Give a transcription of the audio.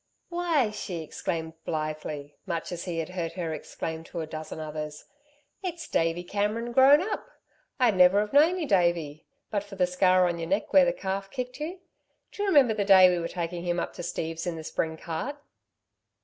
"Why!" she exclaimed blithely, much as he had heard her exclaim to a dozen others, "It's Davey Cameron grown up! I'd never 've known you, Davey, but for the scar on your neck where the calf kicked you. Do you remember the day we were taking him up to Steve's in the spring cart?"